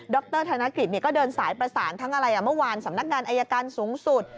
รธนกฤษก็เดินสายประสานทั้งอะไรเมื่อวานสำนักงานอายการสูงสุด